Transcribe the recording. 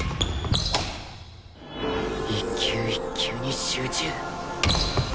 １球１球に集中